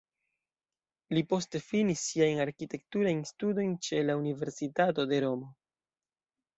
Li poste finis siajn arkitekturajn studojn ĉe la Universitato de Romo.